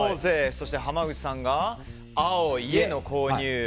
そして、濱口さんが青、家の購入。